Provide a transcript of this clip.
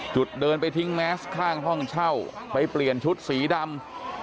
เดินไปทิ้งแมสข้างห้องเช่าไปเปลี่ยนชุดสีดำ